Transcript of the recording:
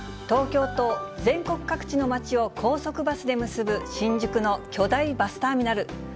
東京と全国各地の街を高速バスで結ぶ新宿の巨大バスターミナル。